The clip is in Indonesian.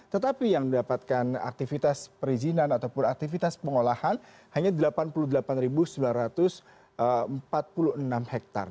tetapi yang mendapatkan aktivitas perizinan ataupun aktivitas pengolahan hanya delapan puluh delapan sembilan ratus empat puluh enam hektare